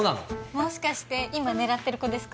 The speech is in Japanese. もしかして今狙ってる子ですか？